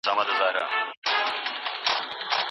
ما پرون د یوې غیرتي ښځي کیسه واورېده.